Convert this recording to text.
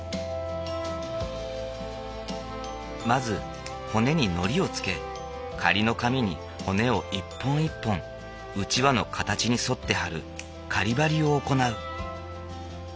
まず骨にのりをつけ仮の紙に骨を一本一本うちわの形に沿ってはる仮ばりを行う。